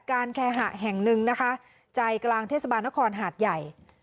แคหะแห่งหนึ่งนะคะใจกลางเทศบาลนครหาดใหญ่